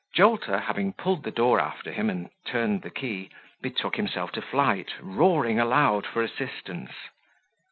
Jolter, having pulled the door after him and turned the key, betook himself to flight, roaring aloud for assistance.